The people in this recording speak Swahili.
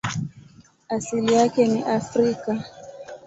Asili yake ni Afrika.